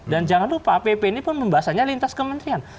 dan jangan lupa pp ini pun membahasanya lintas kementerian